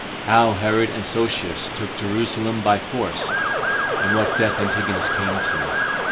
How Herod And Sosius Took Jerusalem By Force; And What Death Antigonus Came To.